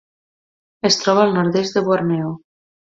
Es troba al nord-est de Borneo.